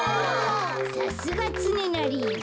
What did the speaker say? さすがつねなり。